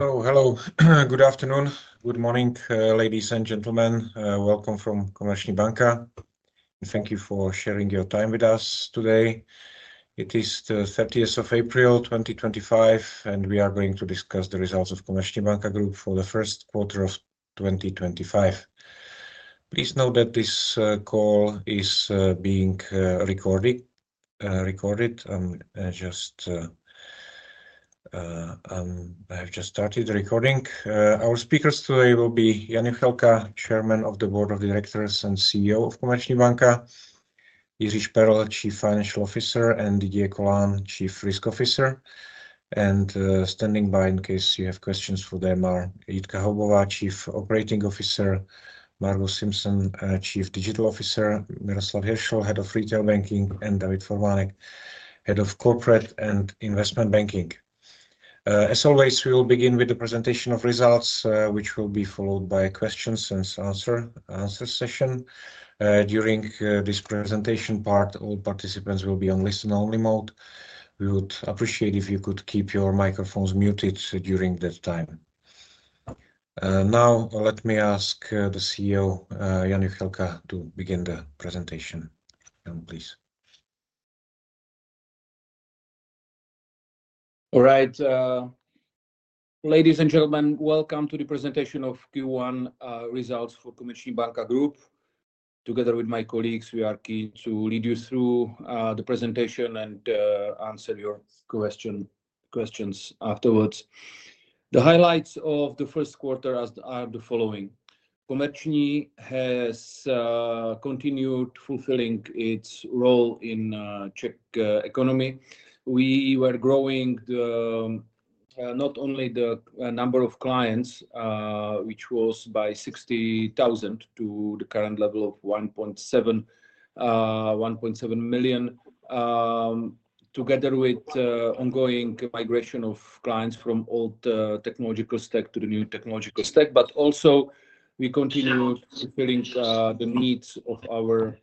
Hello, hello. Good afternoon. Good morning, ladies and gentlemen. Welcome from Komerční banka. Thank you for sharing your time with us today. It is the 30th of April 2025, and we are going to discuss the results of Komerční banka Group for the Q1 of 2025. Please note that this call is being recorded. I have just started the recording. Our speakers today will be Jan Juchelka, Chairman of the Board of Directors and CEO of Komerční banka, Jiří Šperl, Chief Financial Officer, and Didier Colin, Chief Risk Officer. Standing by, in case you have questions for them, are Jitka Haubová, Chief Operating Officer, Margus Simson, Chief Digital Officer, Miroslav Hiršl, Head of Retail Banking, and David Formánek, Head of Corporate and Investment Banking. As always, we will begin with the presentation of results, which will be followed by questions and answers session. During this presentation part, all participants will be on listen-only mode. We would appreciate it if you could keep your microphones muted during that time. Now, let me ask the CEO, Jan Juchelka, to begin the presentation. Jan, please. All right. Ladies and gentlemen, welcome to the presentation of Q1 results for Komerční banka Group. Together with my colleagues, we are keen to lead you through the presentation and answer your questions afterwards. The highlights of the Q1 are the following. Komerční has continued fulfilling its role in the Czech economy. We were growing not only the number of clients, which was by 60,000 to the current level of 1.7 million, together with ongoing migration of clients from old technological stack to the new technological stack. Also, we continued fulfilling the needs of our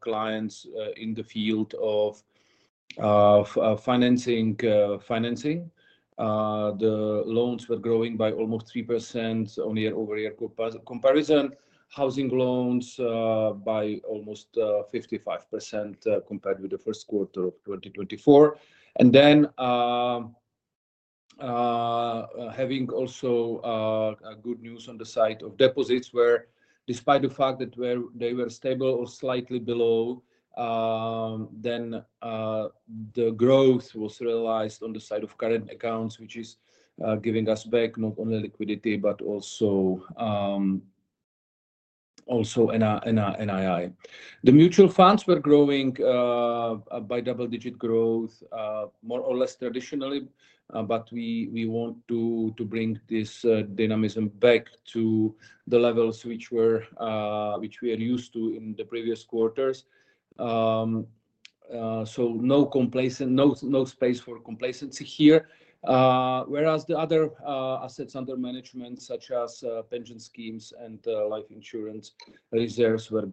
clients in the field of financing. The loans were growing by almost 3% on year-over-year comparison. Housing loans by almost 55% compared with the Q1 of 2024. Then having also good news on the side of deposits, where despite the fact that they were stable or slightly below, the growth was realized on the side of current accounts, which is giving us back not only liquidity but also NII. The mutual funds were growing by double-digit growth, more or less traditionally, but we want to bring this dynamism back to the levels which we are used to in the previous quarters. No space for complacency here. Whereas the other assets under management, such as pension schemes and life insurance reserves, were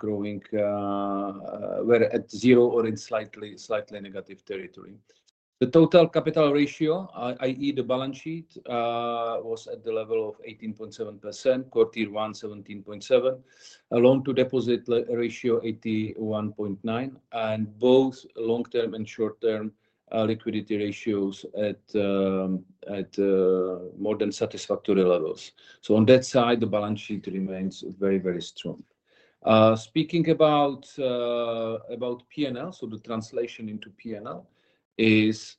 at zero or in slightly negative territory. The total capital ratio, i.e., the balance sheet, was at the level of 18.7%, quarter one, 17.7%, loan-to-deposit ratio 81.9%, and both long-term and short-term liquidity ratios at more than satisfactory levels. On that side, the balance sheet remains very, very strong. Speaking about P&L, the translation into P&L is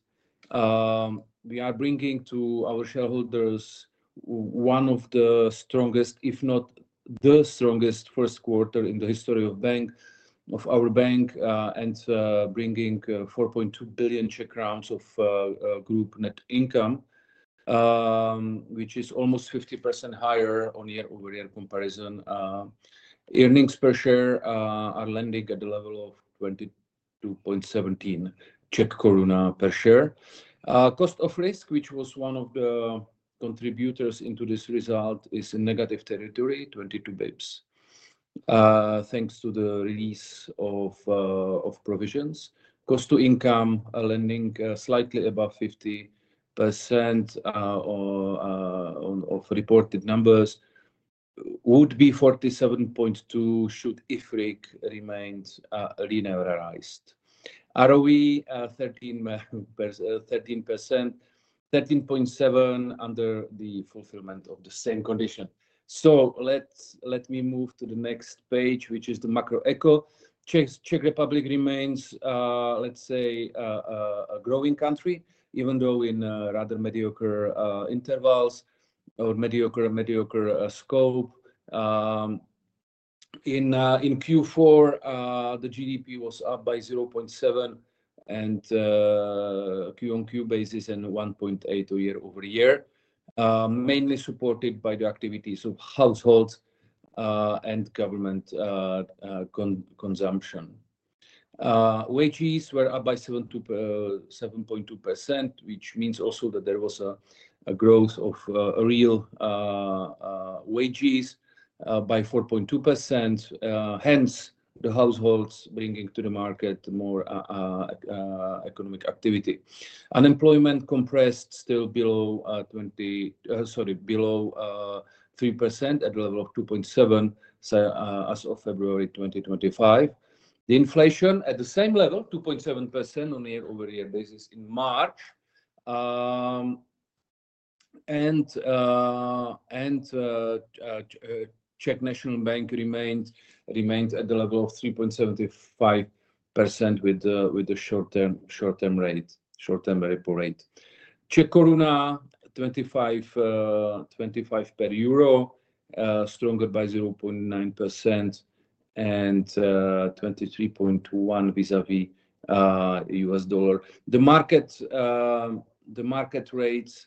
we are bringing to our shareholders one of the strongest, if not the strongest, Q2 in the history of our bank, and bringing 4.2 billion of group net income, which is almost 50% higher on year-over-year comparison. Earnings per share are landing at the level of 22.17 per share. Cost of risk, which was one of the contributors into this result, is in negative territory, 22 basis points, thanks to the release of provisions. Cost to income are landing slightly above 50% of reported numbers. Would be 47.2% should IFRIC remain linearized. ROE 13.7% under the fulfillment of the same condition. Let me move to the next page, which is the macro echo. Czech Republic remains, let's say, a growing country, even though in rather mediocre intervals or mediocre scope. In Q4, the GDP was up by 0.7% on a Q-on-Q basis and 1.8% year-over-year, mainly supported by the activities of households and government consumption. Wages were up by 7.2%, which means also that there was a growth of real wages by 4.2%. Hence, the households bringing to the market more economic activity. Unemployment compressed still below 3% at the level of 2.7% as of February 2025. The inflation at the same level, 2.7% on a year-over-year basis in March. Czech National Bank remained at the level of 3.75% with the short-term repo rate. Czech koruna, 25 per euro, stronger by 0.9% and 23.1 vis-à-vis US dollar. The market rates,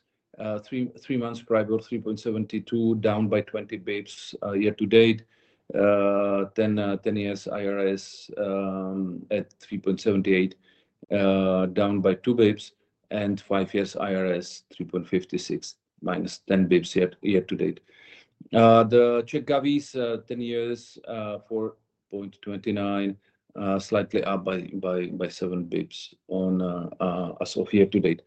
three months prior, were 3.72%, down by 20 basis points year-to-date. 10-year IRS at 3.78%, down by 2 basis points, and 5-year IRS 3.56%, minus 10 basis points year-to-date. The Czech government bonds, 10-years, 4.29%, slightly up by 7 basis points as of year-to-date.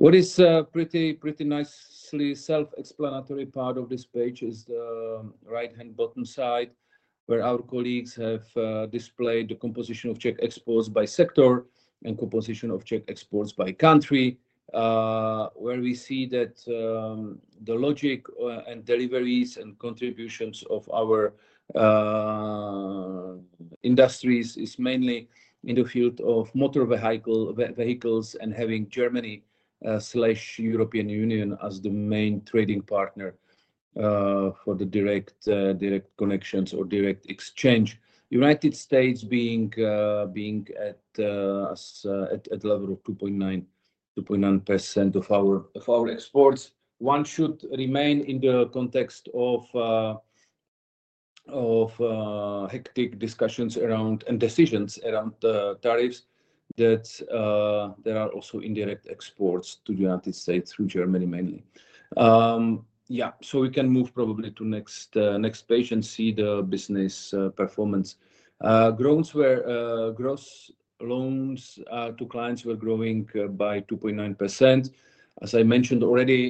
What is pretty nicely self-explanatory part of this page is the right-hand bottom side, where our colleagues have displayed the composition of Czech exports by sector and composition of Czech exports by country, where we see that the logic and deliveries and contributions of our industries is mainly in the field of motor vehicles and having Germany/European Union as the main trading partner for the direct connections or direct exchange. The United States being at the level of 2.9% of our exports. One should remain in the context of hectic discussions and decisions around tariffs that there are also indirect exports to the United States through Germany mainly. Yeah, we can move probably to the next page and see the business performance. Gross loans to clients were growing by 2.9%. As I mentioned already,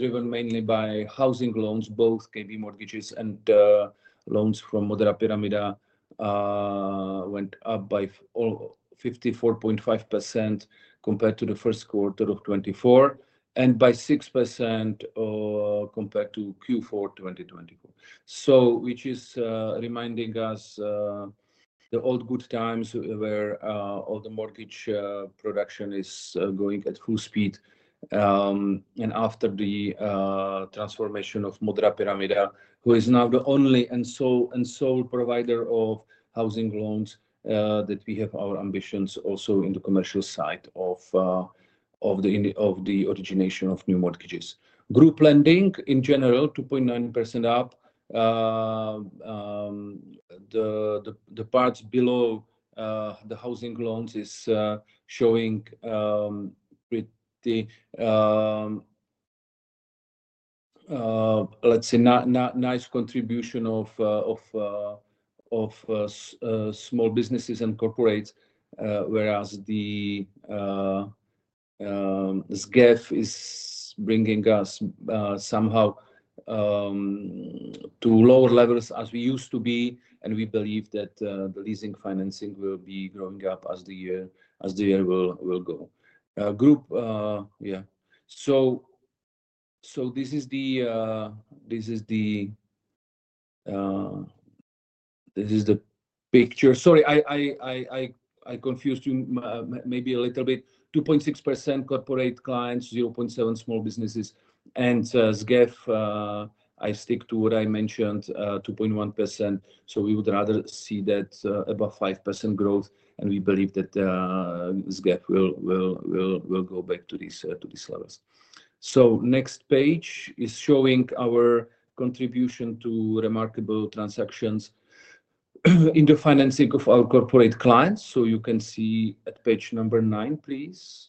driven mainly by housing loans, both KB mortgages and loans from Modrá pyramida went up by 54.5% compared to the Q1 of 2024 and by 6% compared to Q4 2024, which is reminding us of the old good times where all the mortgage production is going at full speed. After the transformation of Modrá pyramida, who is now the only and sole provider of housing loans, we have our ambitions also in the commercial side of the origination of new mortgages. Group lending, in general, 2.9% up. The parts below the housing loans are showing pretty, let's say, nice contribution of small businesses and corporates, whereas the SGEF is bringing us somehow to lower levels as we used to be. We believe that the leasing financing will be growing up as the year will go. Yeah, this is the picture. Sorry, I confused you maybe a little bit. 2.6% corporate clients, 0.7% small businesses. And SGEF, I stick to what I mentioned, 2.1%. We would rather see that above 5% growth. We believe that SGEF will go back to these levels. The next page is showing our contribution to remarkable transactions in the financing of our corporate clients. You can see at page number nine, please.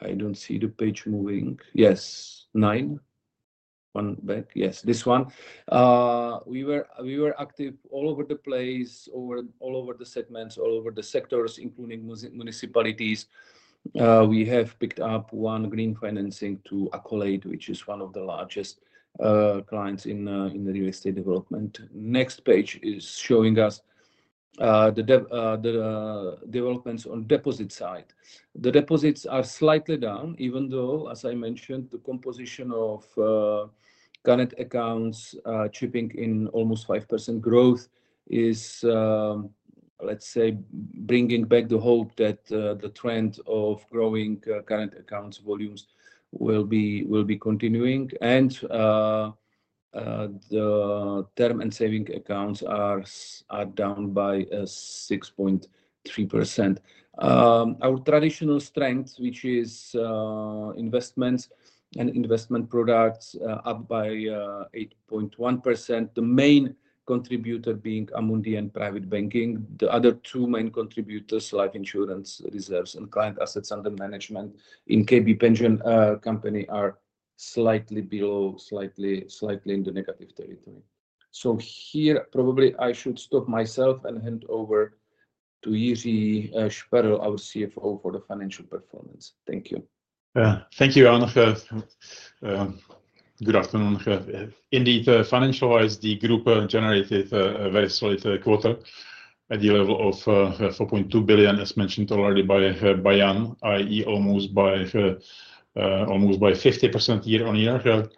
I do not see the page moving. Yes, nine. One back. Yes, this one. We were active all over the place, all over the segments, all over the sectors, including municipalities. We have picked up one green financing to Accolade, which is one of the largest clients in the real estate development. The next page is showing us the developments on the deposit side. The deposits are slightly down, even though, as I mentioned, the composition of current accounts chipping in almost 5% growth is, let's say, bringing back the hope that the trend of growing current accounts volumes will be continuing. The term and savings accounts are down by 6.3%. Our traditional strength, which is investments and investment products, up by 8.1%. The main contributor being Amundi and private banking. The other two main contributors, life insurance reserves and client assets under management in KB Pension Company, are slightly below, slightly in the negative territory. Here, probably, I should stop myself and hand over to Jiří Šperl, our CFO, for the financial performance. Thank you. Yeah, thank you, Jan. Good afternoon, Jan. Indeed, financial-wise, the group generated a very solid quarter at the level of 4.2 billion, as mentioned already by Jan, i.e., almost by 50% year-on-year.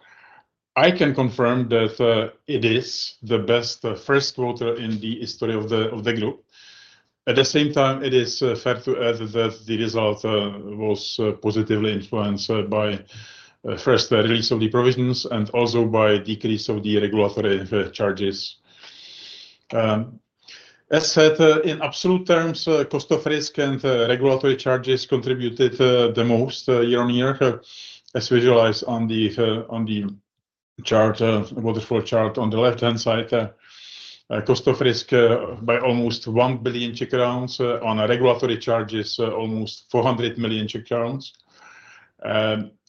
I can confirm that it is the best Q1 in the history of the group. At the same time, it is fair to add that the result was positively influenced by the first release of the provisions and also by the decrease of the regulatory charges. As said, in absolute terms, cost of risk and regulatory charges contributed the most year-on-year, as visualized on the waterfall chart on the left-hand side. Cost of risk by almost 1 billion Czech crowns, on regulatory charges, almost 400 million Czech crowns.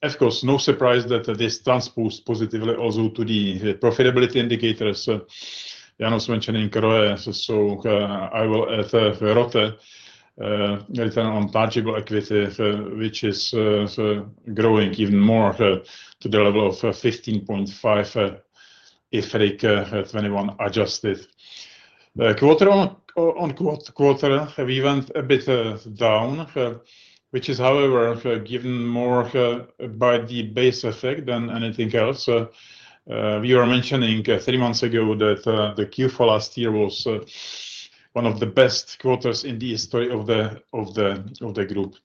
Of course, no surprise that this transposed positively also to the profitability indicators, Jan was mentioning earlier. I will add ROTE, return on tangible equity, which is growing even more to the level of 15.5% if RIC 21 adjusted. Quarter on quarter, we went a bit down, which is, however, given more by the base effect than anything else. We were mentioning three months ago that the Q4 last year was one of the best quarters in the history of the group.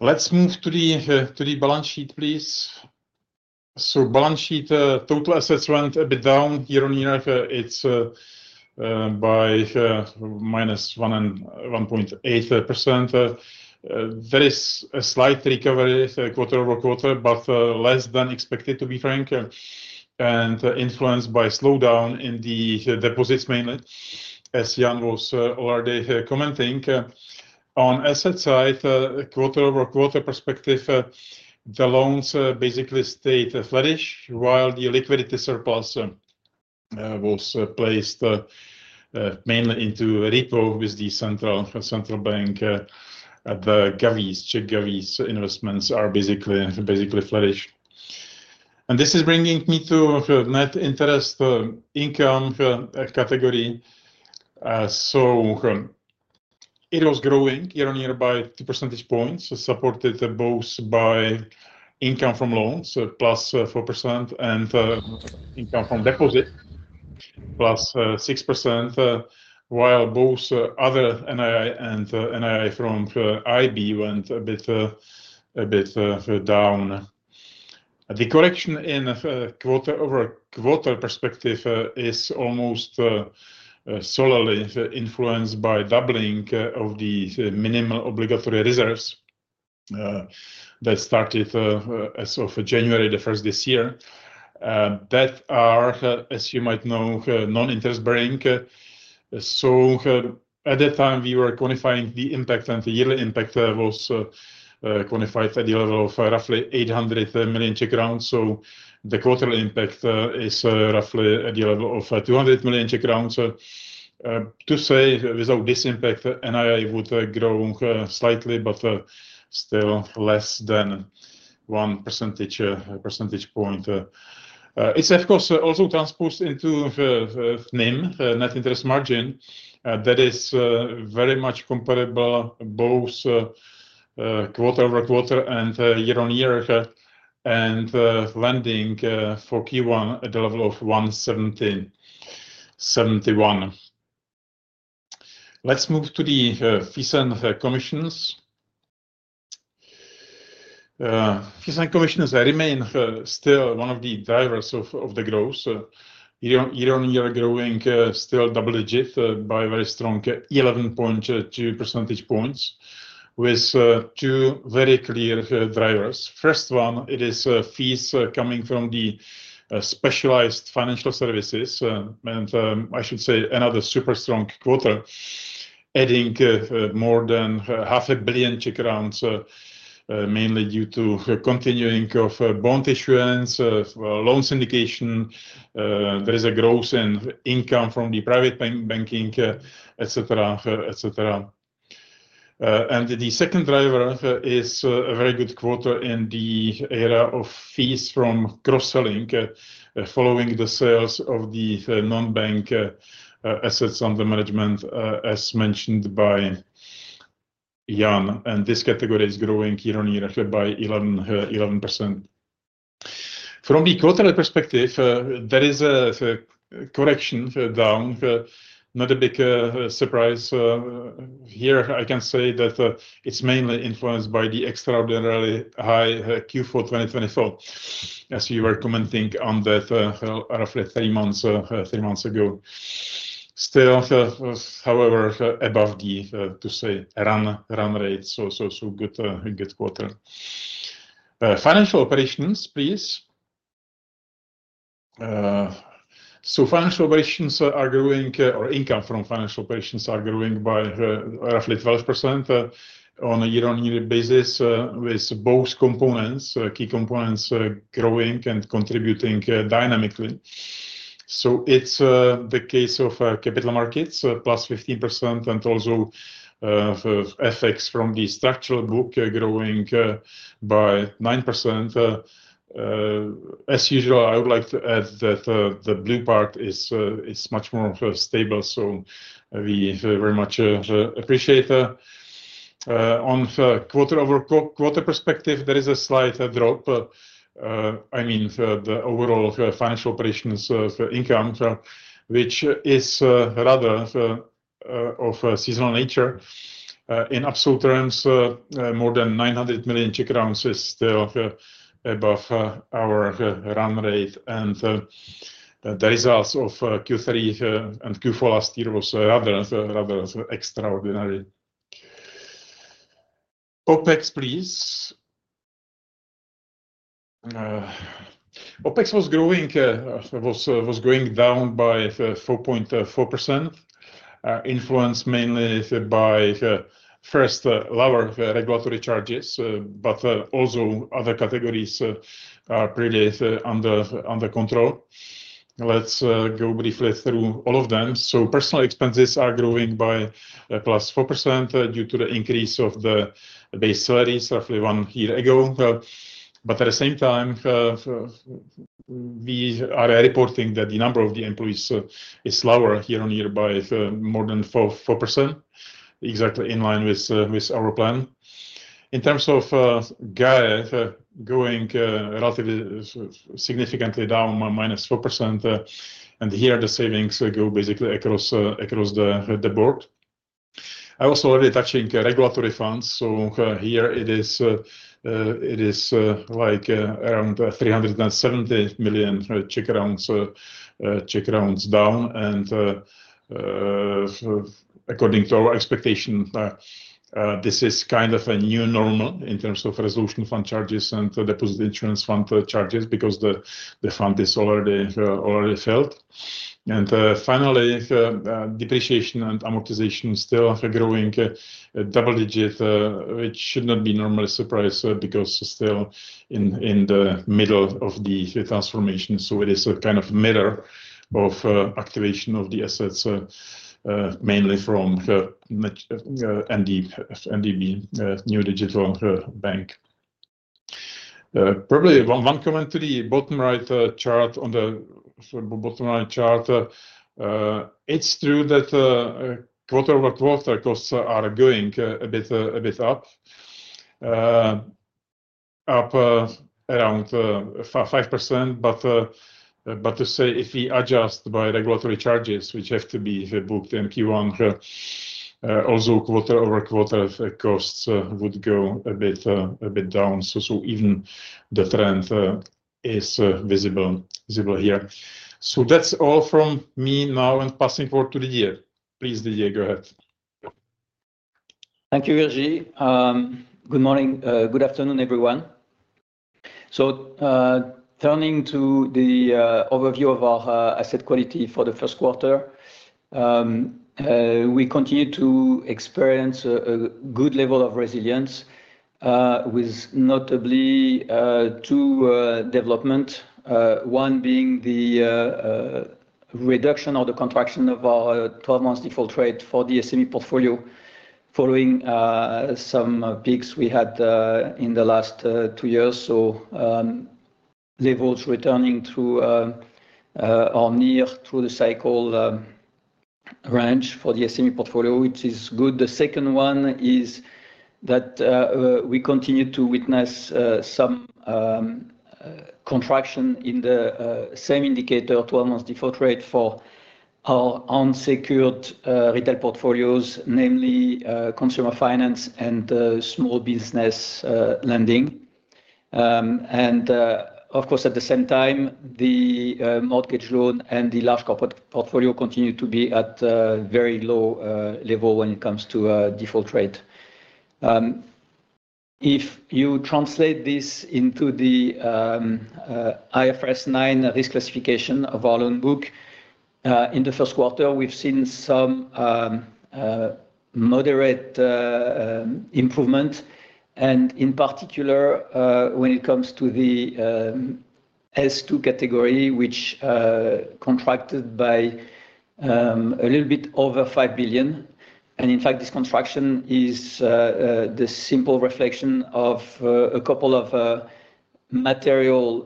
Let's move to the balance sheet, please. The balance sheet, total assets went a bit down year-on-year. It's by minus 1.8%. There is a slight recovery quarter over quarter, but less than expected, to be frank, and influenced by slowdown in the deposits mainly, as Jan was already commenting. On the asset side, quarter over quarter perspective, the loans basically stayed flattish, while the liquidity surplus was placed mainly into repo with the central bank. The Czech government investments are basically flattish. This is bringing me to net interest income category. It was growing year-on-year by 2 percentage points, supported both by income from loans plus 4% and income from deposits plus 6%, while both other NII and NII from IB went a bit down. The correction in quarter over quarter perspective is almost solely influenced by doubling of the minimal obligatory reserves that started as of January 1st this year. That are, as you might know, non-interest-bearing. At that time, we were quantifying the impact, and the yearly impact was quantified at the level of roughly 800 million Czech crowns. The quarterly impact is roughly at the level of 200 million Czech crowns. To say without this impact, NII would grow slightly, but still less than 1 percentage point. It is, of course, also transposed into NIM, net interest margin. That is very much comparable both quarter over quarter and year-on-year, and lending for Q1 at the level of 171. Let's move to the FISAN commissions. FISAN commissions remain still one of the drivers of the growth. Year-on-year growing still double-digit by a very strong 11.2 percentage points with two very clear drivers. First one, it is fees coming from the specialized financial services. I should say another super strong quarter, adding more than 500,000,000, mainly due to continuing of bond issuance, loan syndication. There is a growth in income from the private banking, etc. The second driver is a very good quarter in the area of fees from cross-selling, following the sales of the non-bank assets under management, as mentioned by Jan. This category is growing year-on-year by 11%. From the quarterly perspective, there is a correction down. Not a big surprise here. I can say that it's mainly influenced by the extraordinarily high Q4 2024, as we were commenting on that roughly three months ago. Still, however, above the, to say, run rate. So good quarter. Financial operations, please. Financial operations are growing, or income from financial operations are growing by roughly 12% on a year-on-year basis with both components, key components growing and contributing dynamically. It's the case of capital markets, plus 15%, and also effects from the structural book growing by 9%. As usual, I would like to add that the blue part is much more stable, so we very much appreciate it. On the quarter over quarter perspective, there is a slight drop. I mean, the overall financial operations income, which is rather of seasonal nature. In absolute terms, more than 900 million is still above our run rate. The results of Q3 and Q4 last year were rather extraordinary. OPEX, please. OPEX was going down by 4.4%, influenced mainly by first lower regulatory charges, but also other categories are pretty under control. Let's go briefly through all of them. Personal expenses are growing by +4% due to the increase of the base salaries roughly one year ago. At the same time, we are reporting that the number of the employees is lower year-on-year by more than 4%, exactly in line with our plan. In terms of GAE, going relatively significantly down, -4%. Here, the savings go basically across the board. I also already touched on regulatory funds. Here, it is like around 370 million down. According to our expectation, this is kind of a new normal in terms of resolution fund charges and deposit insurance fund charges because the fund is already filled. Finally, depreciation and amortization still growing double-digit, which should not be normally a surprise because still in the middle of the transformation. It is a kind of mirror of activation of the assets, mainly from NDB, New Digital Bank. Probably one comment to the bottom right chart on the bottom right chart. It's true that quarter over quarter costs are going a bit up, up around 5%. To say if we adjust by regulatory charges, which have to be booked in Q1, also quarter over quarter costs would go a bit down. Even the trend is visible here. That's all from me now and passing forward to Didier. Please, Didier, go ahead. Thank you, Jiří. Good morning. Good afternoon, everyone. Turning to the overview of our asset quality for the Q1, we continue to experience a good level of resilience with notably two developments, one being the reduction or the contraction of our 12-month default rate for the SME portfolio following some peaks we had in the last two years. Levels are returning to or near through the cycle range for the SME portfolio, which is good. The second one is that we continue to witness some contraction in the same indicator, 12-month default rate for our unsecured retail portfolios, namely consumer finance and small business lending. Of course, at the same time, the mortgage loan and the large corporate portfolio continue to be at a very low level when it comes to default rate. If you translate this into the IFRS 9 risk classification of our loan book, in the Q1, we've seen some moderate improvement. In particular, when it comes to the S2 category, which contracted by a little bit over 5 billion. In fact, this contraction is the simple reflection of a couple of material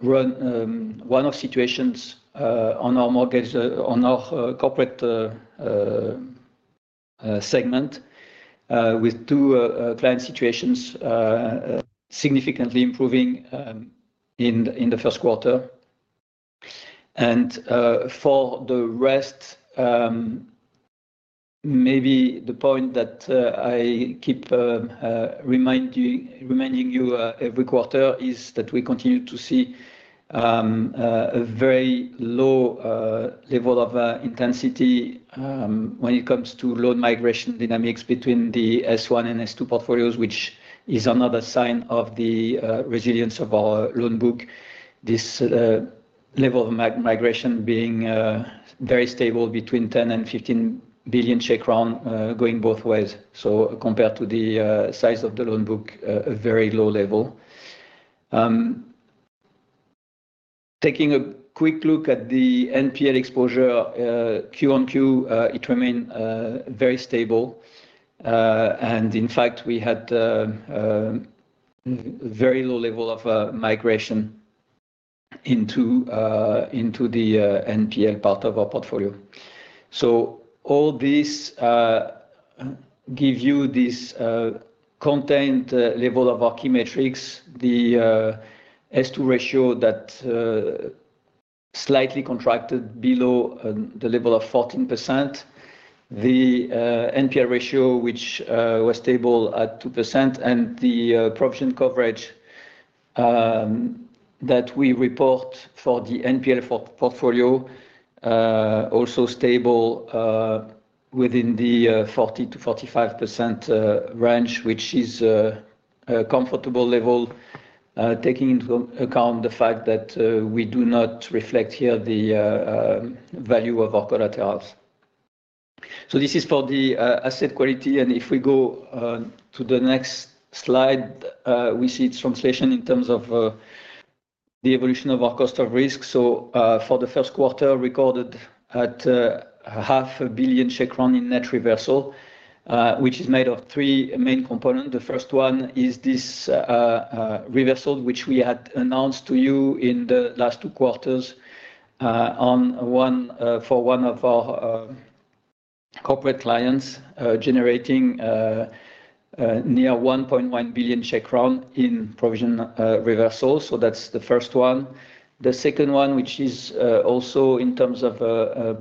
one-off situations on our mortgage, on our corporate segment with two client situations significantly improving in the Q1. For the rest, maybe the point that I keep reminding you every quarter is that we continue to see a very low level of intensity when it comes to loan migration dynamics between the S1 and S2 portfolios, which is another sign of the resilience of our loan book. This level of migration being very stable between 10 billion-15 billion going both ways. Compared to the size of the loan book, a very low level. Taking a quick look at the NPL exposure, Q1Q, it remained very stable. In fact, we had a very low level of migration into the NPL part of our portfolio. All this gives you this content level of our key metrics, the S2 ratio that slightly contracted below the level of 14%, the NPL ratio, which was stable at 2%, and the provision coverage that we report for the NPL portfolio, also stable within the 40%-45% range, which is a comfortable level taking into account the fact that we do not reflect here the value of our collaterals. This is for the asset quality. If we go to the next slide, we see its translation in terms of the evolution of our cost of risk. For the Q1, recorded at 500,000,000 in net reversal, which is made of three main components. The first one is this reversal, which we had announced to you in the last two quarters for one of our corporate clients generating near 1,100,000,000 Czech crown in provision reversal. That is the first one. The second one, which is also in terms of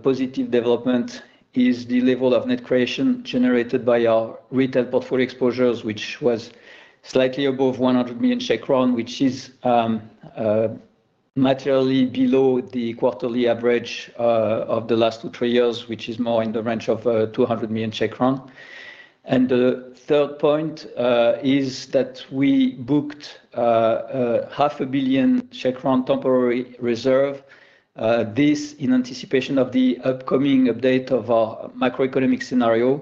positive development, is the level of net creation generated by our retail portfolio exposures, which was slightly above 100,000,000, which is materially below the quarterly average of the last two or three years, which is more in the range of 200,000,000. The third point is that we booked 500,000,000 temporary reserve, this in anticipation of the upcoming update of our macroeconomic scenario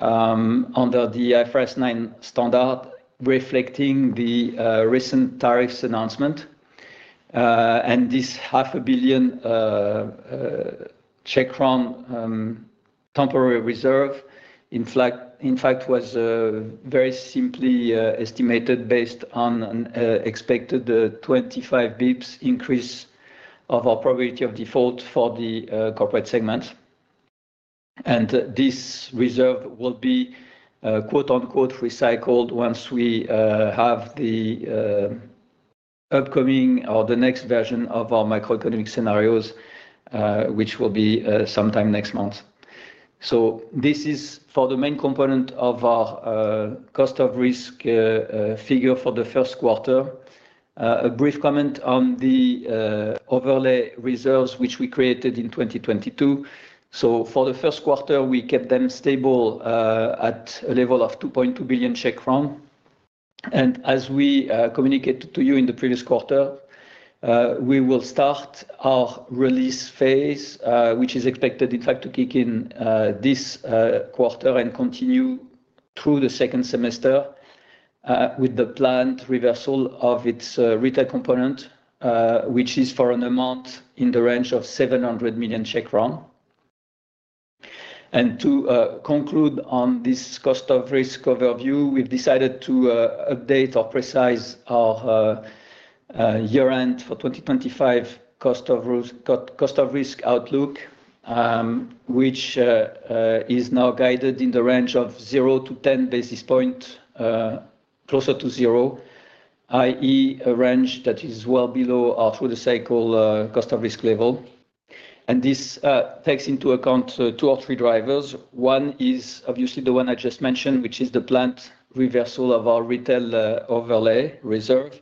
under the IFRS 9 standard, reflecting the recent tariffs announcement. This 500,000,000 temporary reserve, in fact, was very simply estimated based on an expected 25 basis points increase of our probability of default for the corporate segment. This reserve will be "recycled" once we have the upcoming or the next version of our macroeconomic scenarios, which will be sometime next month. This is for the main component of our cost of risk figure for the Q1. A brief comment on the overlay reserves, which we created in 2022. For the Q1, we kept them stable at a level of CZK 2,200,000,000. As we communicated to you in the previous quarter, we will start our release phase, which is expected, in fact, to kick in this quarter and continue through the second semester with the planned reversal of its retail component, which is for an amount in the range of 700 million. To conclude on this cost of risk overview, we've decided to update or precise our year-end for 2025 cost of risk outlook, which is now guided in the range of 0-10 basis points, closer to 0, i.e., a range that is well below our through-the-cycle cost of risk level. This takes into account two or three drivers. One is obviously the one I just mentioned, which is the planned reversal of our retail overlay reserve.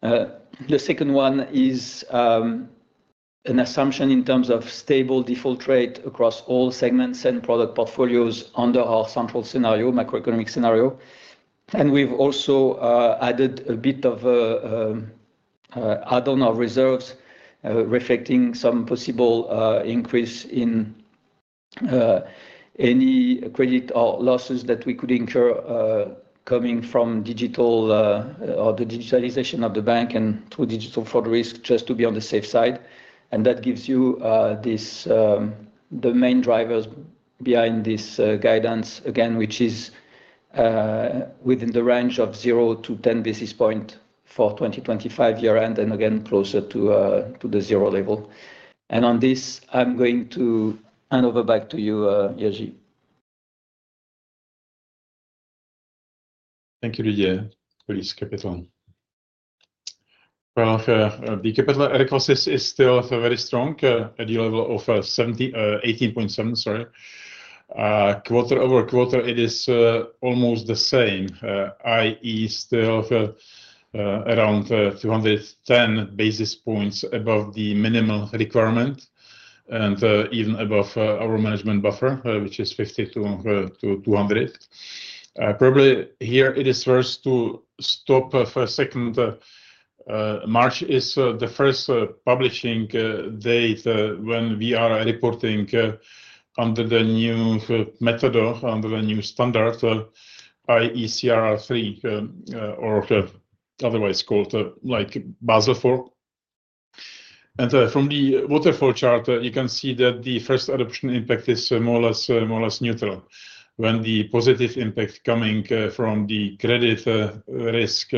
The second one is an assumption in terms of stable default rate across all segments and product portfolios under our central scenario, macroeconomic scenario. We have also added a bit of add-on of reserves reflecting some possible increase in any credit or losses that we could incur coming from digital or the digitalization of the bank and through digital fraud risk, just to be on the safe side. That gives you the main drivers behind this guidance, again, which is within the range of 0-10 basis points for 2025 year-end and again, closer to the zero level. On this, I'm going to hand over back to you, Jiří. Thank you, Didier, Police Capital. The capital adequacy is still very strong at the level of 18.7. Sorry. Quarter over quarter, it is almost the same, i.e., still around 210 basis points above the minimum requirement and even above our management buffer, which is 50-200. Probably here, it is worth to stop for a second. March is the first publishing date when we are reporting under the new method, under the new standard, i.e., CRR3, or otherwise called like Basel IV. From the waterfall chart, you can see that the first adoption impact is more or less neutral when the positive impact coming from the credit risk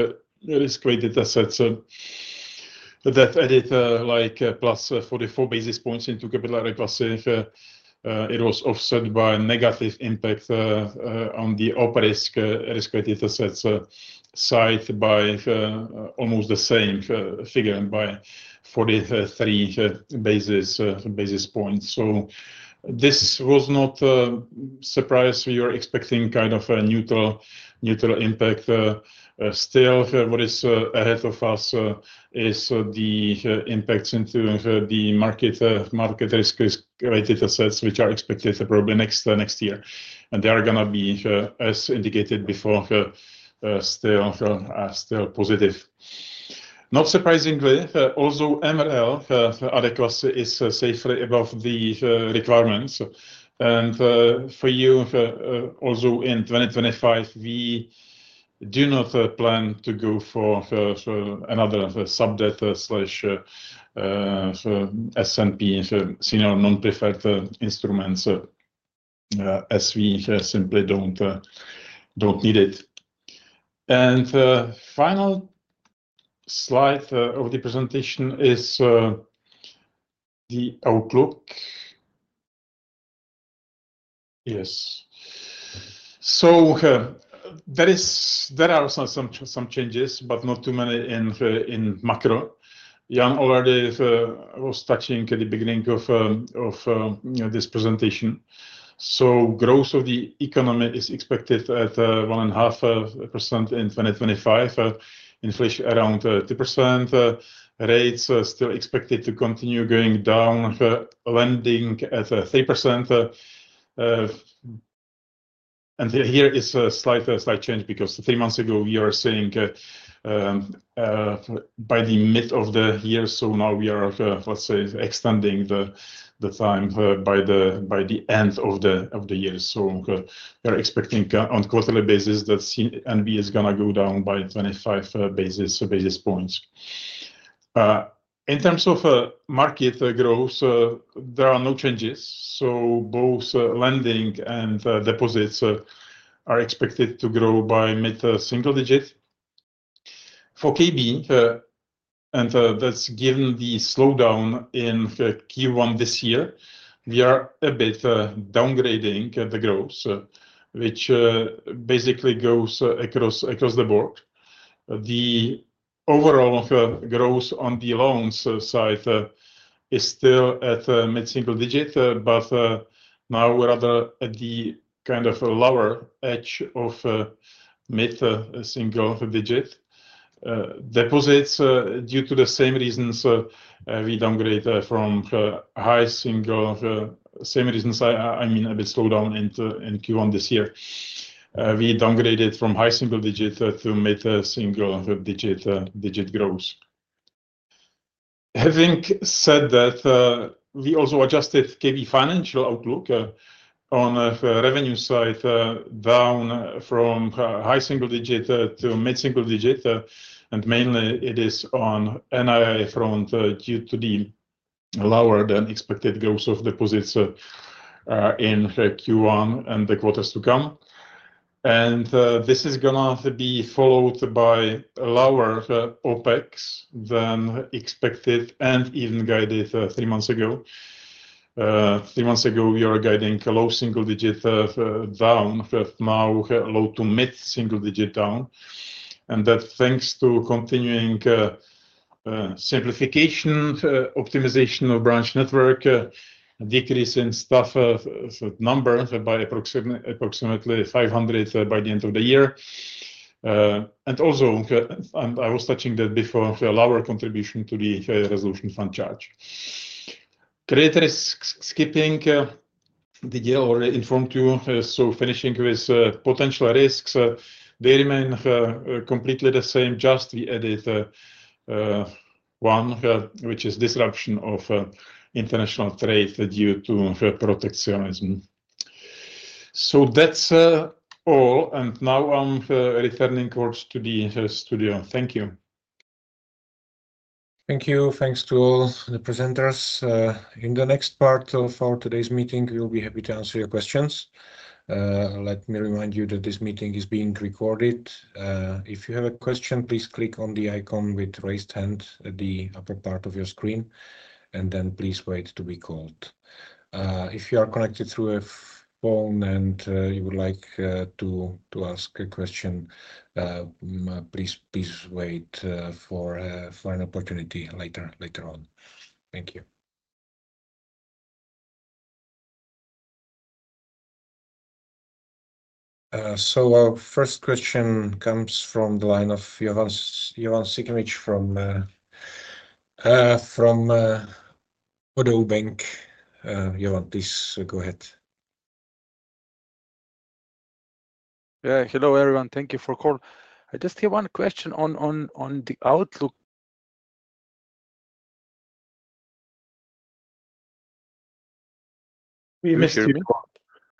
weighted assets that added like plus 44 basis points into capital adequacy. It was offset by negative impact on the operisk risk weighted assets side by almost the same figure, by 43 basis points. This was not a surprise. We were expecting kind of a neutral impact. Still, what is ahead of us is the impacts into the market risk weighted assets, which are expected probably next year. They are going to be, as indicated before, still positive. Not surprisingly, although MRL adequacy is safely above the requirements. For you, also in 2025, we do not plan to go for another sub-debt/SNP senior non-preferred instruments as we simply do not need it. The final slide of the presentation is the outlook. Yes. There are some changes, but not too many in macro. Jan already was touching at the beginning of this presentation. Growth of the economy is expected at 1.5% in 2025, inflation around 2%, rates still expected to continue going down, lending at 3%. Here is a slight change because three months ago, we were seeing by the mid of the year. Now we are, let's say, extending the time by the end of the year. We are expecting on quarterly basis that CNB is going to go down by 25 basis points. In terms of market growth, there are no changes. Both lending and deposits are expected to grow by mid-single digit. For KB, and that's given the slowdown in Q1 this year, we are a bit downgrading the growth, which basically goes across the board. The overall growth on the loans side is still at mid-single digit, but now we're rather at the kind of lower edge of mid-single digit. Deposits, due to the same reasons, we downgrade from high single. Same reasons, I mean, a bit slowdown in Q1 this year. We downgraded from high single digit to mid-single digit growth. Having said that, we also adjusted KB financial outlook on the revenue side down from high single digit to mid-single digit. Mainly, it is on NII front due to the lower than expected growth of deposits in Q1 and the quarters to come. This is going to be followed by lower OpEx than expected and even guided three months ago. Three months ago, we were guiding low single digit down, now low to mid-single digit down. That is thanks to continuing simplification, optimization of branch network, decrease in staff number by approximately 500 by the end of the year. Also, I was touching that before, lower contribution to the resolution fund charge. Credit risk skipping, Didier already informed you. Finishing with potential risks, they remain completely the same, just we added one, which is disruption of international trade due to protectionism. That is all. Now I'm returning to the studio. Thank you. Thank you. Thanks to all the presenters. In the next part of our today's meeting, we'll be happy to answer your questions. Let me remind you that this meeting is being recorded. If you have a question, please click on the icon with raised hand at the upper part of your screen, and then please wait to be called. If you are connected through a phone and you would like to ask a question, please wait for an opportunity later on. Thank you. Our first question comes from the line of Johan Sykora from Oddo BHF. Johan, please go ahead. Yeah. Hello, everyone. Thank you for the call. I just have one question on the outlook. We missed you.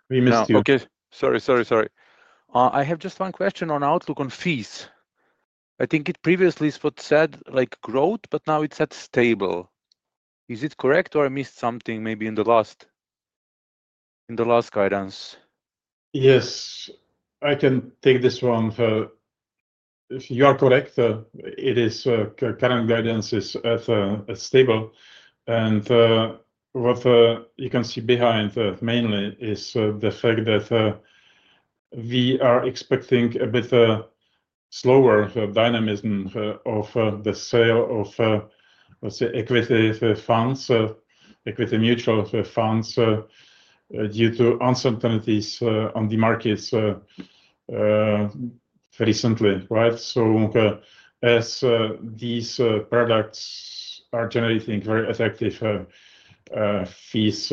We missed you. Okay. Sorry, sorry. I have just one question on outlook on fees. I think it previously said growth, but now it said stable. Is it correct or I missed something maybe in the last guidance? Yes. I can take this one. You are correct, current guidance is stable. What you can see behind mainly is the fact that we are expecting a bit slower dynamism of the sale of, let's say, equity funds, equity mutual funds due to uncertainties on the markets recently, right? As these products are generating very effective fees,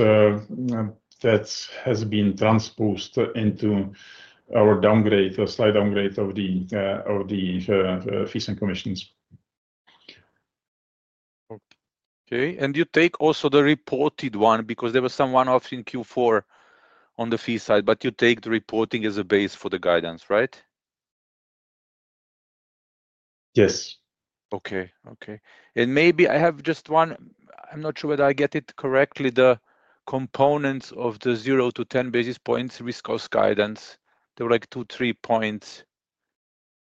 that has been transposed into our downgrade, slight downgrade of the fees and commissions. Okay. You take also the reported one because there was some one-off in Q4 on the fee side, but you take the reporting as a base for the guidance, right? Yes. Okay. Okay. Maybe I have just one, I'm not sure whether I get it correctly, the components of the 0-10 basis points risk cost guidance, there were like two, three points.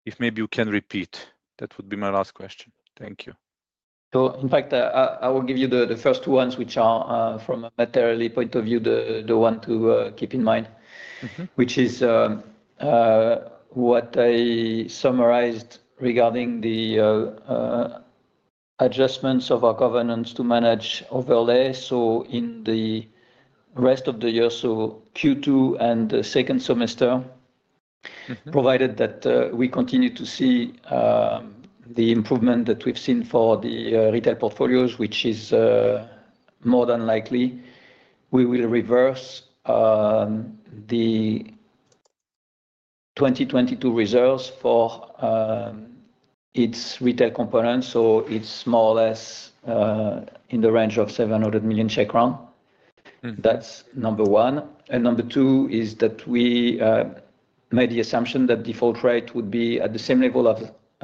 If maybe you can repeat, that would be my last question. Thank you. In fact, I will give you the first ones, which are from a material point of view, the one to keep in mind, which is what I summarized regarding the adjustments of our covenants to manage overlay. In the rest of the year, so Q2 and the second semester, provided that we continue to see the improvement that we've seen for the retail portfolios, which is more than likely, we will reverse the 2022 reserves for its retail components. It is more or less in the range of 700 million Czech crown. That's number one. Number two is that we made the assumption that default rate would be at the same level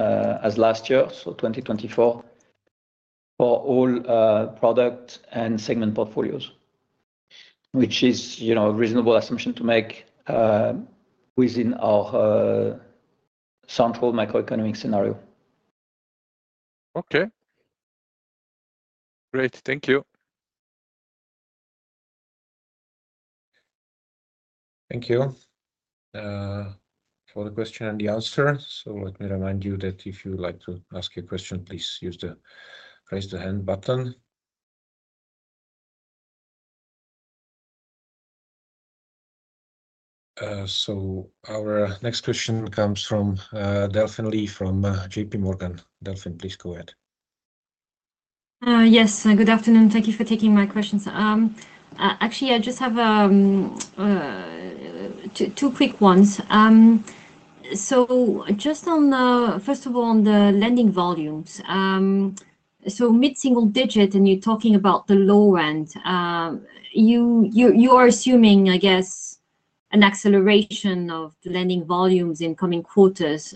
as last year, so 2024, for all product and segment portfolios, which is a reasonable assumption to make within our central macroeconomic scenario. Okay. Great. Thank you. Thank you for the question and the answer. Let me remind you that if you'd like to ask a question, please use the raise the hand button. Our next question comes from Delphine Lee from JP Morgan. Delphine, please go ahead. Yes. Good afternoon. Thank you for taking my questions. Actually, I just have two quick ones. Just on, first of all, on the lending volumes. Mid-single digit, and you're talking about the low end, you are assuming, I guess, an acceleration of the lending volumes in coming quarters.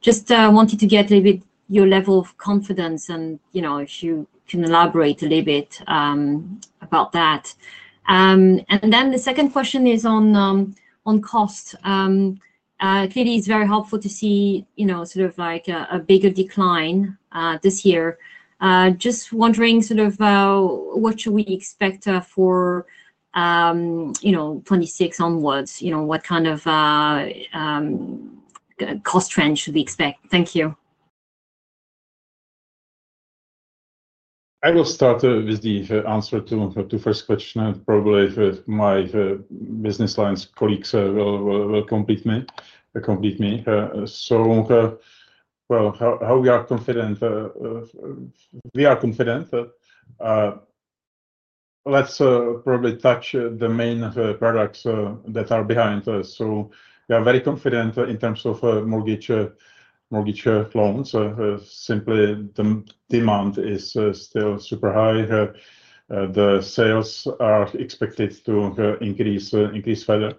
Just wanted to get a little bit your level of confidence and if you can elaborate a little bit about that. The second question is on cost. Clearly, it's very helpful to see sort of like a bigger decline this year. Just wondering sort of what should we expect for 2026 onwards? What kind of cost trend should we expect? Thank you. I will start with the answer to the first question, and probably my business lines colleagues will complete me. How we are confident? We are confident. Let's probably touch the main products that are behind us. We are very confident in terms of mortgage loans. Simply, the demand is still super high. The sales are expected to increase further.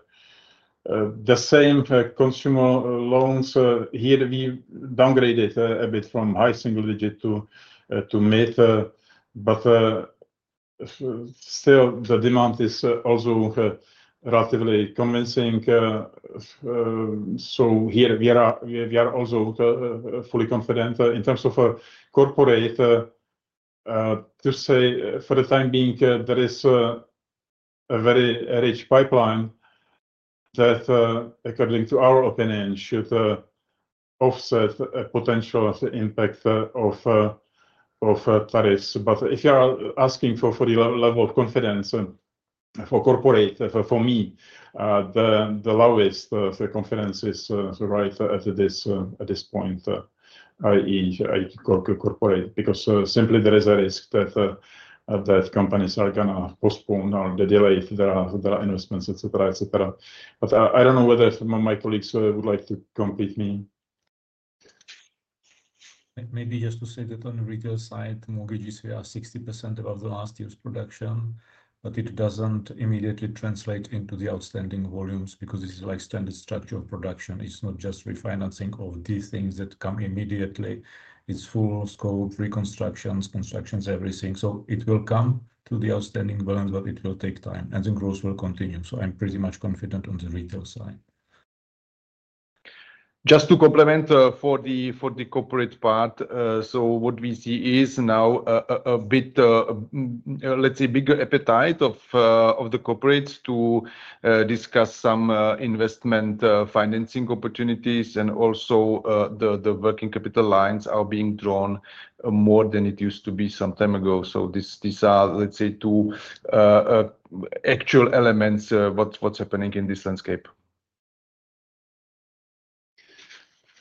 The same consumer loans here, we downgraded a bit from high single digit to mid. Still, the demand is also relatively convincing. Here, we are also fully confident in terms of corporate. To say for the time being, there is a very rich pipeline that, according to our opinion, should offset potential impact of tariffs. If you are asking for the level of confidence for corporate, for me, the lowest confidence is right at this point, i.e., corporate, because simply, there is a risk that companies are going to postpone or delay their investments, etc., etc. I don't know whether my colleagues would like to complete me. Maybe just to say that on the retail side, mortgages are 60% of last year's production, but it does not immediately translate into the outstanding volumes because this is like standard structure of production. It is not just refinancing of the things that come immediately. It is full scope reconstructions, constructions, everything. It will come to the outstanding balance, but it will take time, and the growth will continue. I am pretty much confident on the retail side. Just to complement for the corporate part, what we see is now a bit, let's say, bigger appetite of the corporates to discuss some investment financing opportunities, and also the working capital lines are being drawn more than it used to be some time ago. These are, let's say, two actual elements of what's happening in this landscape.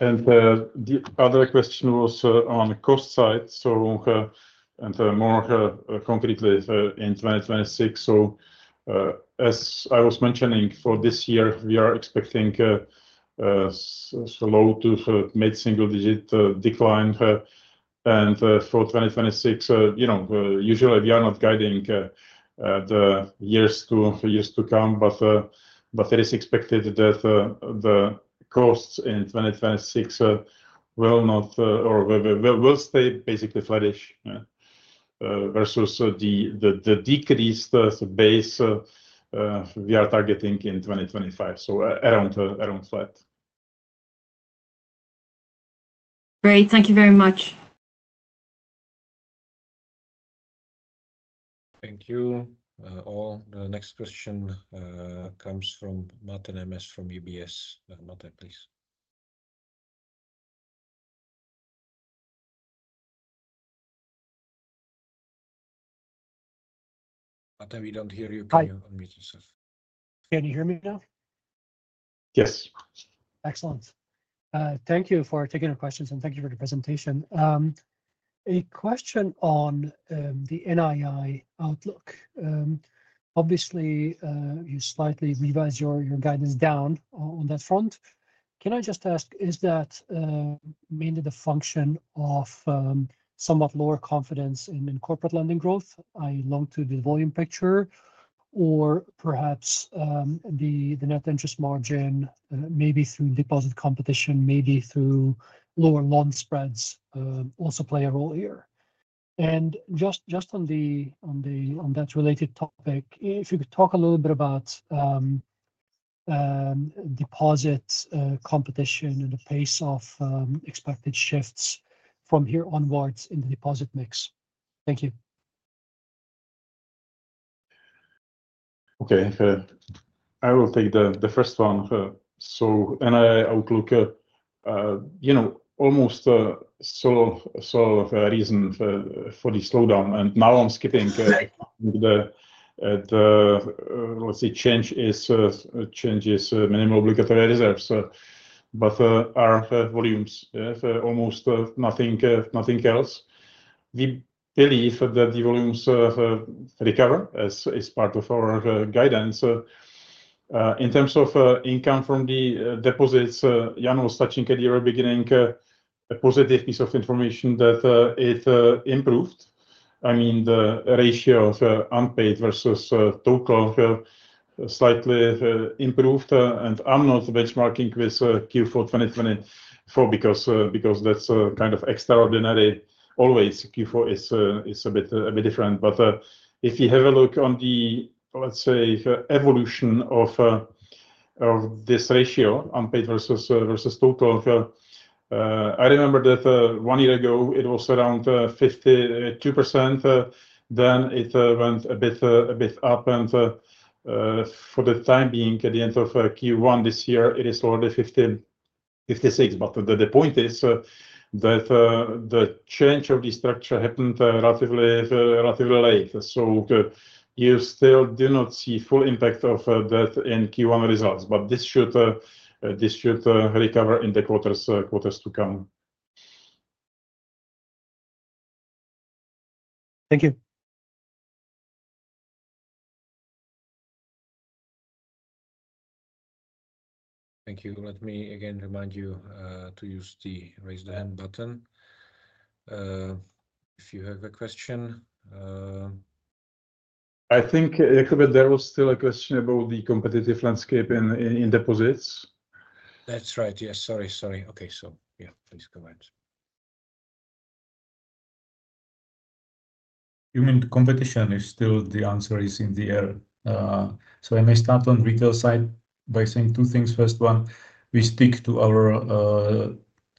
The other question was on the cost side, and more concretely in 2026. As I was mentioning, for this year, we are expecting a slow to mid-single digit decline. For 2026, usually, we are not guiding the years to come, but it is expected that the costs in 2026 will not or will stay basically flattish versus the decreased base we are targeting in 2025. Around flat. Great. Thank you very much. Thank you all. The next question comes from Martin Marek from UBS. Martin, please. Martin, we do not hear you. Can you unmute yourself? Can you hear me now? Yes. Excellent. Thank you for taking our questions, and thank you for the presentation. A question on the NII outlook. Obviously, you slightly revised your guidance down on that front. Can I just ask, is that mainly the function of somewhat lower confidence in corporate lending growth? I long to the volume picture, or perhaps the net interest margin, maybe through deposit competition, maybe through lower loan spreads also play a role here. Just on that related topic, if you could talk a little bit about deposit competition and the pace of expected shifts from here onwards in the deposit mix. Thank you. Okay. I will take the first one. NII outlook almost saw a reason for the slowdown. Now I'm skipping the, let's say, change is minimal obligatory reserves, but our volumes, almost nothing else. We believe that the volumes recover as part of our guidance. In terms of income from the deposits, Jan was touching at the very beginning, a positive piece of information that it improved. I mean, the ratio of unpaid versus total slightly improved. I am not benchmarking with Q4 2024 because that's kind of extraordinary. Always Q4 is a bit different. If you have a look on the, let's say, evolution of this ratio, unpaid versus total, I remember that one year ago, it was around 52%. Then it went a bit up. For the time being, at the end of Q1 this year, it is already 56%. The point is that the change of the structure happened relatively late. You still do not see full impact of that in Q1 results, but this should recover in the quarters to come. Thank you. Thank you. Let me again remind you to use the raise the hand button if you have a question. I think, Jakub, there was still a question about the competitive landscape in deposits. That's right. Yes. Sorry, sorry. Okay. Yeah, please go ahead. You mean competition is still the answer is in the air. I may start on the retail side by saying two things. First one, we stick to our,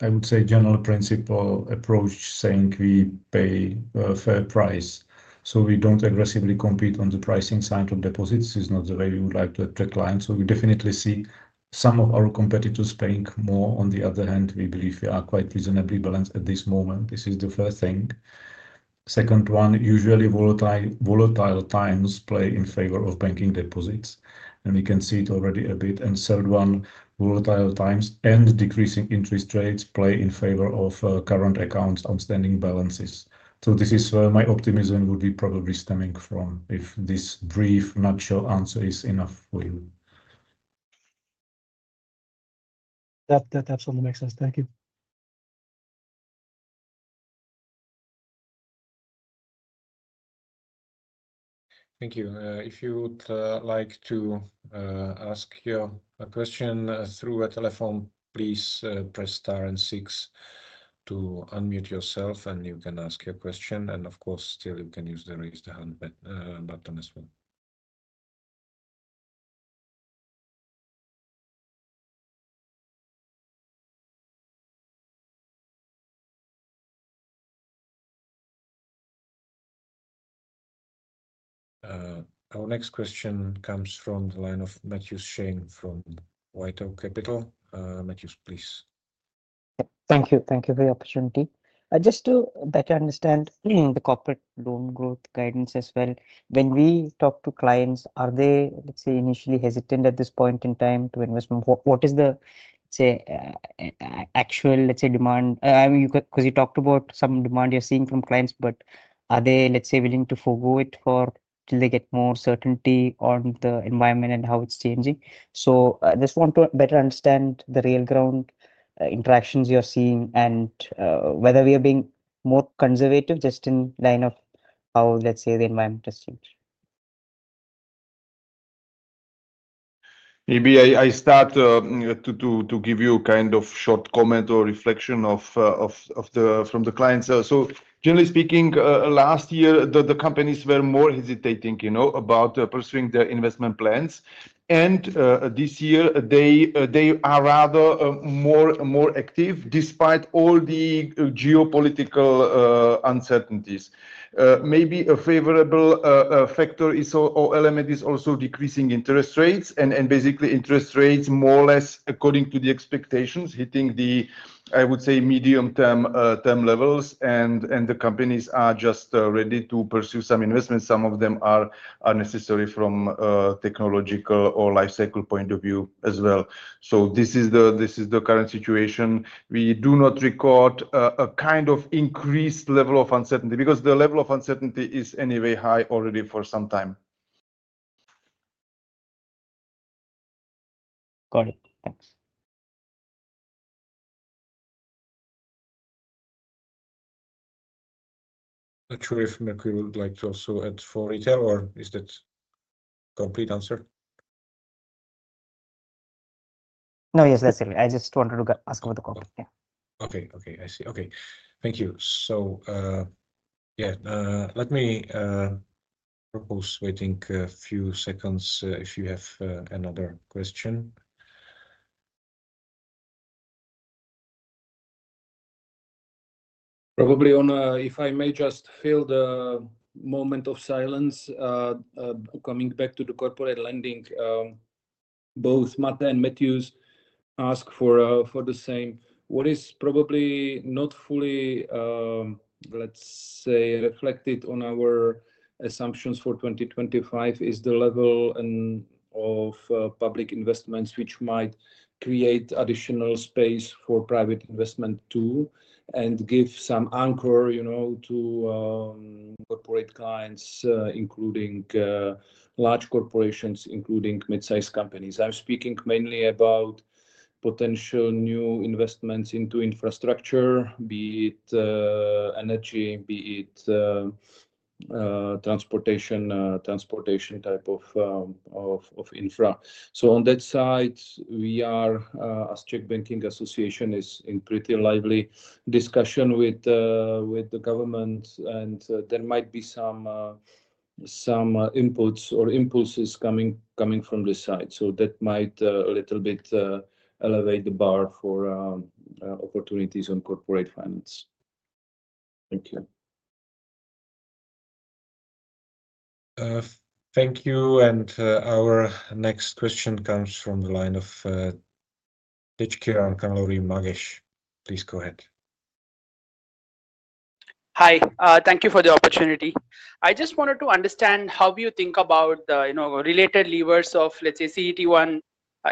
I would say, general principle approach, saying we pay a fair price. We do not aggressively compete on the pricing side of deposits. This is not the way we would like to attract clients. We definitely see some of our competitors paying more. On the other hand, we believe we are quite reasonably balanced at this moment. This is the first thing. Second one, usually volatile times play in favor of banking deposits. We can see it already a bit. Third one, volatile times and decreasing interest rates play in favor of current accounts, outstanding balances. This is where my optimism would be probably stemming from if this brief, not sure answer is enough for you. That absolutely makes sense. Thank you. Thank you. If you would like to ask your question through a telephone, please press star and six to unmute yourself, and you can ask your question. Of course, still, you can use the raise the hand button as well. Our next question comes from the line of Mathews Shane from WhiteOak Capital. Mathews, please. Thank you. Thank you for the opportunity. Just to better understand the corporate loan growth guidance as well, when we talk to clients, are they, let's say, initially hesitant at this point in time to invest? What is the, let's say, actual, let's say, demand? Because you talked about some demand you're seeing from clients, but are they, let's say, willing to forgo it till they get more certainty on the environment and how it's changing? I just want to better understand the real ground interactions you're seeing and whether we are being more conservative just in line of how, let's say, the environment has changed. Maybe I start to give you a kind of short comment or reflection from the clients. Generally speaking, last year, the companies were more hesitating about pursuing their investment plans. This year, they are rather more active despite all the geopolitical uncertainties. Maybe a favorable factor or element is also decreasing interest rates and basically interest rates more or less according to the expectations, hitting the, I would say, medium-term levels. The companies are just ready to pursue some investments. Some of them are necessary from a technological or life cycle point of view as well. This is the current situation. We do not record a kind of increased level of uncertainty because the level of uncertainty is anyway high already for some time. Got it. Thanks. Not sure if Miroslav Hirsl would like to also add for retail, or is that a complete answer? No, yes, that's it. I just wanted to ask about the corporate. Yeah. Okay. Okay. I see. Okay. Thank you. Let me propose waiting a few seconds if you have another question. Probably on, if I may just fill the moment of silence, coming back to the corporate lending, both Martin and Mathews ask for the same. What is probably not fully, let's say, reflected on our assumptions for 2025 is the level of public investments which might create additional space for private investment too and give some anchor to corporate clients, including large corporations, including mid-size companies. I'm speaking mainly about potential new investments into infrastructure, be it energy, be it transportation type of infra. On that side, we are, as Czech Banking Association, in pretty lively discussion with the government, and there might be some inputs or impulses coming from this side. That might a little bit elevate the bar for opportunities on corporate finance. Thank you. Thank you. Our next question comes from the line of HQ and Kalori Magesh. Please go ahead. Hi. Thank you for the opportunity. I just wanted to understand how do you think about the related levers of, let's say, CET1,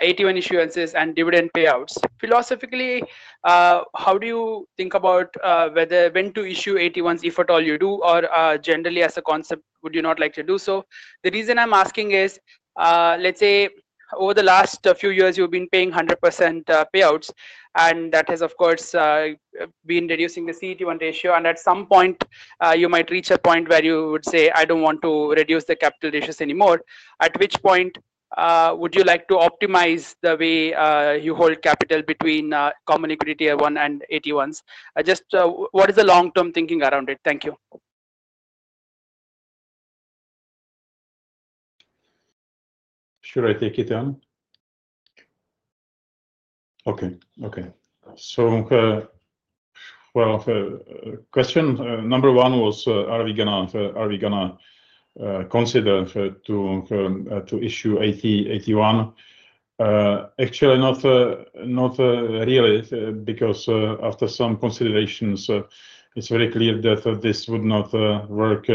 AT1 issuances, and dividend payouts. Philosophically, how do you think about when to issue AT1s, if at all you do, or generally as a concept, would you not like to do so? The reason I'm asking is, let's say, over the last few years, you've been paying 100% payouts, and that has, of course, been reducing the CET1 ratio. At some point, you might reach a point where you would say, "I don't want to reduce the capital ratios anymore." At which point would you like to optimize the way you hold capital between common equity Tier 1 and AT1s? Just what is the long-term thinking around it? Thank you. Should I take it then? Okay. Okay. So question number one was, are we going to consider to issue AT1? Actually, not really, because after some considerations, it's very clear that this would not work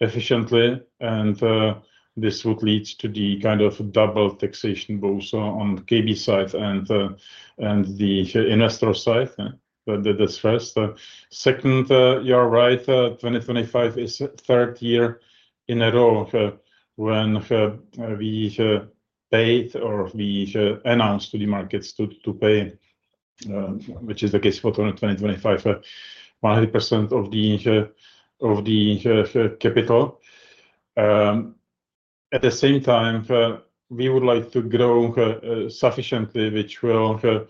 efficiently, and this would lead to the kind of double taxation both on KB side and the investor side. That's first. Second, you're right, 2025 is the third year in a row when we paid or we announced to the markets to pay, which is the case for 2025, 100% of the capital. At the same time, we would like to grow sufficiently, which will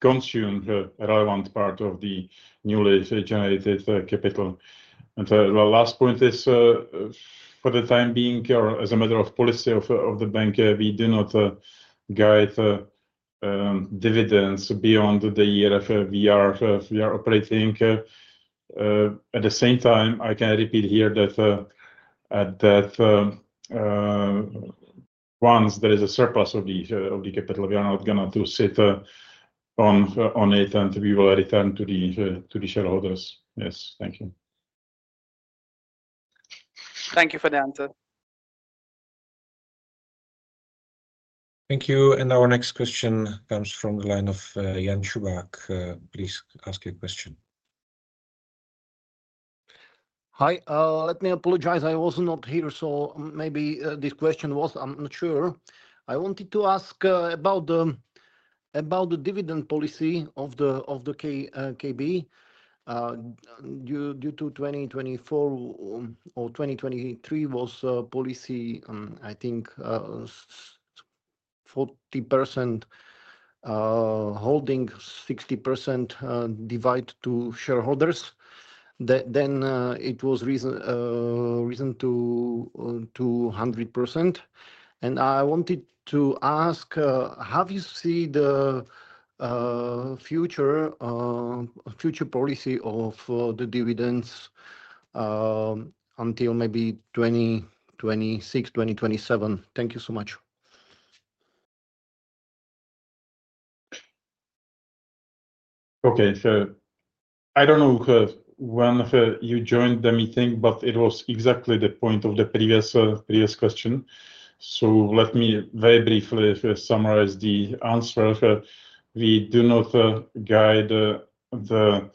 consume the relevant part of the newly generated capital. The last point is, for the time being, or as a matter of policy of the bank, we do not guide dividends beyond the year we are operating. At the same time, I can repeat here that once there is a surplus of the capital, we are not going to sit on it, and we will return to the shareholders. Yes. Thank you. Thank you for the answer. Thank you. Our next question comes from the line of Jan Juchelka. Please ask your question. Hi. Let me apologize. I was not here, so maybe this question was, I'm not sure. I wanted to ask about the dividend policy of the KB. Due to 2024 or 2023 was policy, I think, 40% holding, 60% divide to shareholders. Then it was risen to 100%. I wanted to ask, have you seen the future policy of the dividends until maybe 2026, 2027? Thank you so much. Okay. I do not know when you joined the meeting, but it was exactly the point of the previous question. Let me very briefly summarize the answer. We do not guide the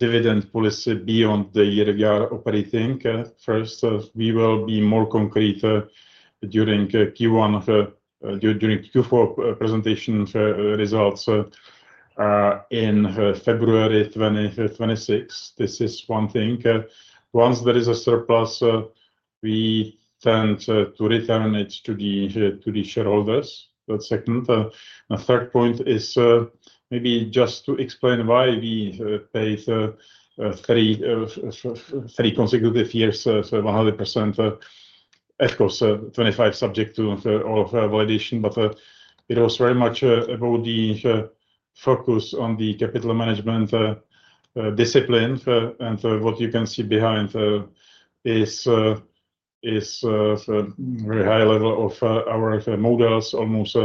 dividend policy beyond the year we are operating. First, we will be more concrete during Q1, during Q4 presentation results in February 2026. This is one thing. Once there is a surplus, we tend to return it to the shareholders. That is second. The third point is maybe just to explain why we paid three consecutive years 100%. Of course, 2025 subject to all of validation, but it was very much about the focus on the capital management discipline. What you can see behind is a very high level of our models, almost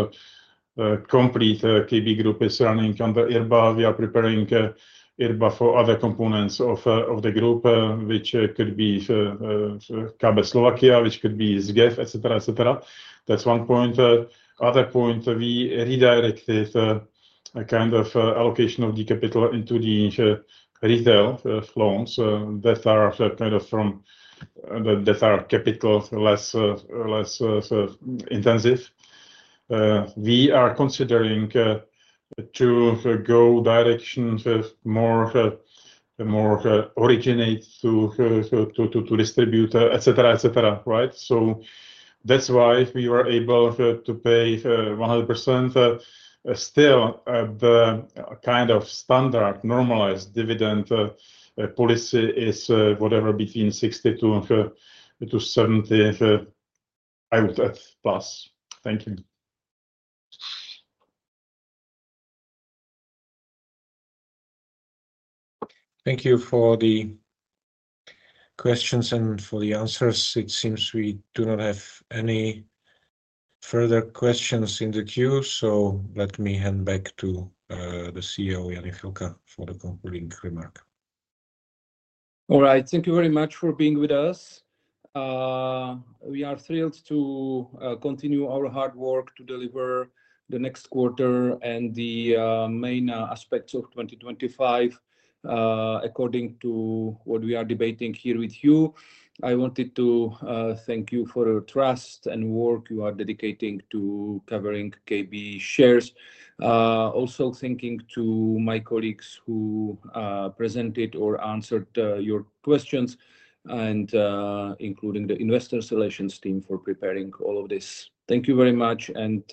complete KB Group is running under IRBA. We are preparing IRBA for other components of the group, which could be KB Slovakia, which could be SGEF, etc., etc. That's one point. Another point, we redirected kind of allocation of the capital into the retail loans that are kind of from that are capital less intensive. We are considering to go direction more originate to distribute, etc., etc. Right? That's why we were able to pay 100%. Still, the kind of standard normalized dividend policy is whatever between 60-70%, I would add plus. Thank you. Thank you for the questions and for the answers. It seems we do not have any further questions in the queue. Let me hand back to the CEO, Jan Juchelka, for the concluding remark. All right. Thank you very much for being with us. We are thrilled to continue our hard work to deliver the next quarter and the main aspects of 2025 according to what we are debating here with you. I wanted to thank you for your trust and work you are dedicating to covering KB shares. Also thanking to my colleagues who presented or answered your questions, including the investor relations team for preparing all of this. Thank you very much, and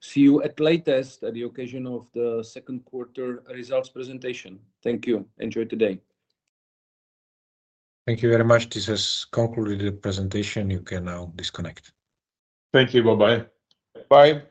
see you at the latest at the occasion of the Q2 results presentation. Thank you. Enjoy today. Thank you very much. This has concluded the presentation. You can now disconnect. Thank you. Bye-bye. Bye. Bye.